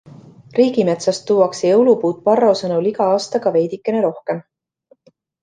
Riigimetsast tuuakse jõulupuud Parro sõnul iga aastaga veidikene rohkem.